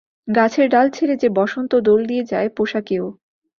গাছের ডাল ছেড়ে যে বসন্ত দোল দিয়ে যায় পোশাকেও।